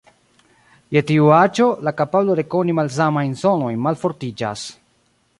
Je tiu aĝo, la kapablo rekoni malsamajn sonojn malfortiĝas.